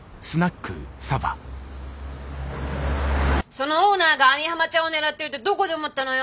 そのオーナーが網浜ちゃんを狙ってるってどこで思ったのよ？